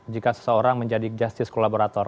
jika seseorang menjadi justice kolaborator